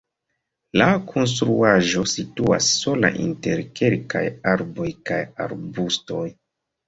La konstruaĵo situas sola inter kelkaj arboj kaj arbustoj.